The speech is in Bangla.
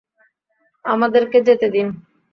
আমাদেরকে যেতে দিন।